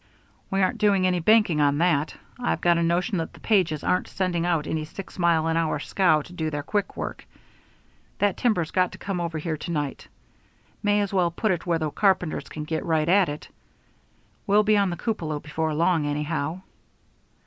"We aren't doing any banking on that. I've got a notion that the Pages aren't sending out any six mile an hour scow to do their quick work. That timber's got to come over here to night. May as well put it where the carpenters can get right at it. We'll be on the cupola before long, anyhow."